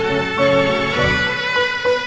gimana kita akan menikmati rena